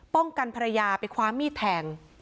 กันภรรยาไปคว้ามีดแทง